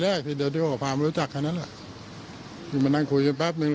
ไม่เคยไปสัมพันธ์ไม่เคยไปคุยด้วยไม่เคยอะไรเลย